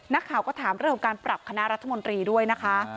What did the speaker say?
นักข่าวก็ถามเรื่องของการปรับคณะรัฐมนตรีด้วยนะคะ